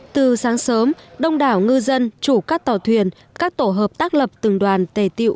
từ sáng sớm đông đảo ngư dân chủ các tàu thuyền các tổ hợp tác lập từng đoàn tề tiệu